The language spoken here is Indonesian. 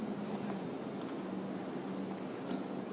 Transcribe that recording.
ibu putri chandrawati